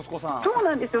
そうなんですよ。